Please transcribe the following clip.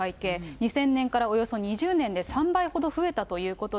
２０００年からおよそ２０年で３倍ほど増えたということで。